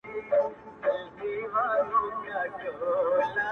ماته خو اوس هم گران دى اوس يې هم يادوم.